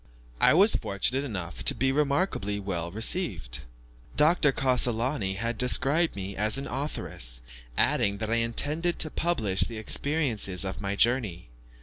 I was fortunate enough to be remarkably well received. Dr. Cassolani had described me as an authoress, adding that I intended to publish the experiences of my journey.